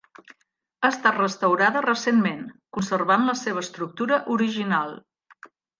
Ha estat restaurada recentment, conservant la seva estructura original.